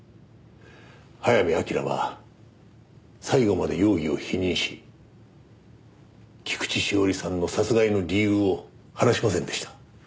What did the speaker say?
早見明は最後まで容疑を否認し菊地詩織さんの殺害の理由を話しませんでした。